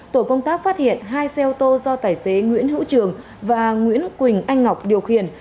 tổ công tác phát hiện hai xe ô tô do tài xế nguyễn hữu trường và nguyễn quỳnh anh ngọc điều khiển